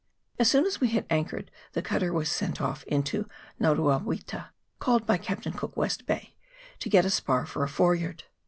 As soon as we had anchored the cutter was sent off into Naruawitu called by Captain Cook West Bay to get a spar for a foreyard.